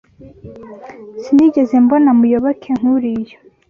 Sinigeze mbona Muyoboke nkuriya.